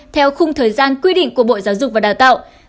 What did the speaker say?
theo khung thời gian quy định của bộ giáo dục và đào tạo